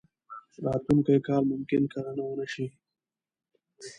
راتلونکی کال ممکن کرنه ونه شي.